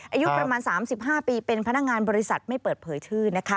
อายุประมาณ๓๕ปีเป็นพนักงานบริษัทไม่เปิดเผยชื่อนะคะ